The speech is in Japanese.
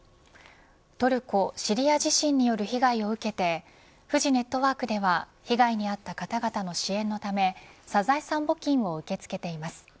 トルコ・シリア地震による被害を受けてフジネットワークでは被害に遭った方々の支援のためサザエさん募金を受け付けています。